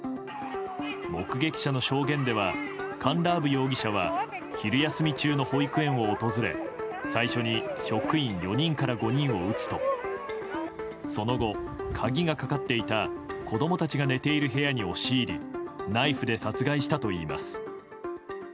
目撃者の証言ではカンラーブ容疑者は昼休み中の保育園を訪れ最初に職員４人から５人を撃つとその後、鍵がかかっていた子供たちが寝ている部屋に押し入りナイフで殺害したといいます。